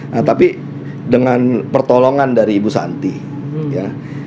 nah tapi dengan pertolongan dari ibu santi ya